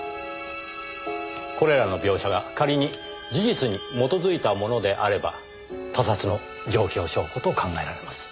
これらの描写が仮に事実に基づいたものであれば他殺の状況証拠と考えられます。